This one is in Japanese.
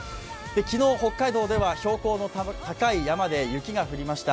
昨日、北海道では標高の高い山で雪が降りました。